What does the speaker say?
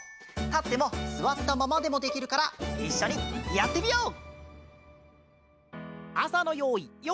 たってもすわったままでもできるからいっしょにやってみよう！